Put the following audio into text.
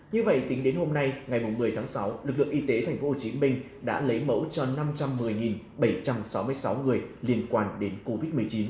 như vậy tính đến hôm nay ngày một mươi tháng sáu lực lượng y tế tp hcm đã lấy mẫu cho năm trăm một mươi bảy trăm sáu mươi sáu người liên quan đến covid một mươi chín